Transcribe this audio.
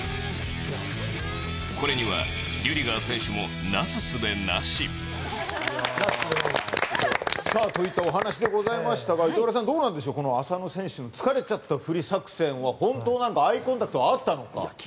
これにはリュディガー選手も成す術なし。といったお話でございましたが板倉さん、浅野選手の疲れちゃったふり作戦は本当なのか、アイコンタクトはあったのか。